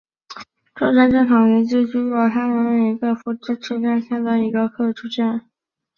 车站站场连接福州机务段厦门折返段及福州车辆段厦门客技站。